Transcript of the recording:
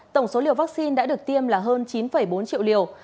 tổng số liều vaccine đã được tiêm là hơn chín bốn triệu liều